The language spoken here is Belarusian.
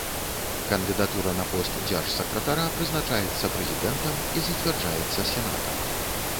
Кандыдатура на пост дзяржсакратара прызначаецца прэзідэнтам і зацвярджаецца сенатам.